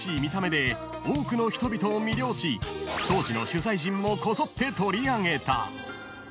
［多くの人々を魅了し当時の取材陣もこぞって取り上げた］